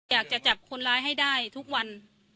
อยากจะจับคนร้ายให้ได้ทุกวัน